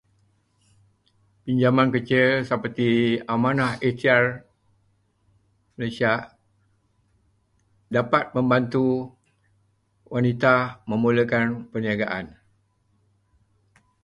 Pinjaman kecil seperti Amanah Ikhtiar dapat membantu wanita memulakan perniagaan.